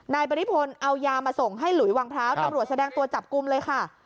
ปริพลเอายามาส่งให้หลุยวังพร้าวตำรวจแสดงตัวจับกลุ่มเลยค่ะ